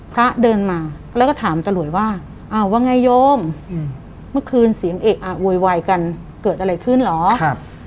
พระเดินมาแล้วก็ถามตะหลวยว่าอ้าวว่าไงโยมเมื่อคืนเสียงเอะอะโวยวายกันเกิดอะไรขึ้นเหรอครับ